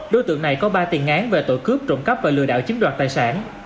đối tượng này có ba tiền ngán về tội cướp trộm cắp và lừa đạo chiếm đoạt tài sản